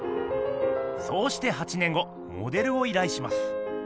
そうして８年後モデルをいらいします。